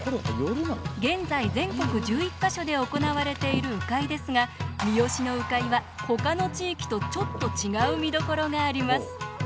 現在、全国１１か所で行われている鵜飼ですが三次の鵜飼は、他の地域とちょっと違う見どころがあります。